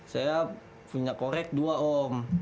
saya punya korek dua om